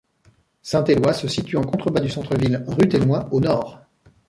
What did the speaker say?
Saint-Éloi se situe en contrebas du centre-ville ruthénois au Nord.